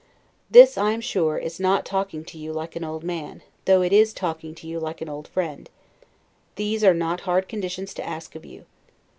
This, I am sure, is not talking to you like an old man, though it is talking to you like an old friend; these are not hard conditions to ask of you.